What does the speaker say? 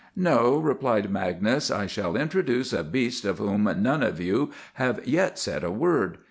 "No," replied Magnus; "I shall introduce a beast of whom none of you have yet said a word.